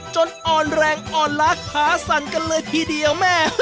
จนออนแรงออนลักหาสั่นกันเลยทีเดียว